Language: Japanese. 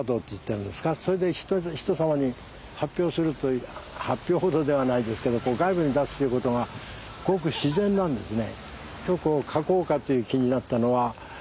それで人様に発表するという発表ほどではないですけど外部に出すということがごく自然なんですね。